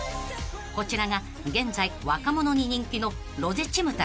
［こちらが現在若者に人気の］